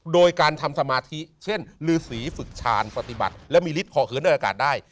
โดยการทำสมาธิเช่นลือสีฝึกชาญปฏิบัติและมีฤทธิ์เหาะเหนืออากาศได้